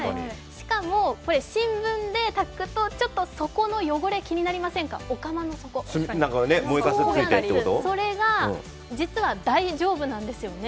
しかも新聞で炊くとちょっと汚れが気になりませんか、お釜の底、それが実は大丈夫なんですよね。